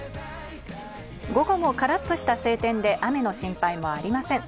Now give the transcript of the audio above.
午後もカラっとした晴天で雨の心配もありません。